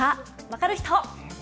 分かる人？